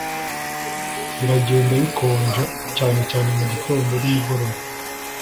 biragenda bikonja, cyane cyane mugitondo nimugoroba